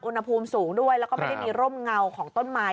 อุณหภูมิสูงด้วยแล้วก็ไม่ได้มีร่มเงาของต้นไม้